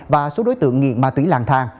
và số đối tượng nghiện ma túy làng thang